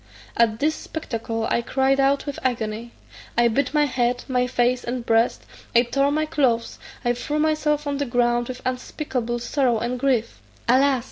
At this spectacle I cried out with agony. I beat my head, my face, and breast; I tore my clothes; I threw myself on the ground with unspeakable sorrow and grief! "Alas!"